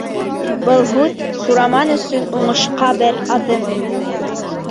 Был һүҙ Сураман өсөн уңышҡа бер аҙым ине.